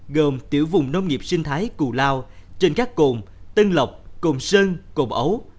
gồm tiểu vùng nông nghiệp sinh thái cù lao trên các cồn tân lộc cồn sơn cồn ấu